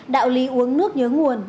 đạo lý uống nước nhớ nguồn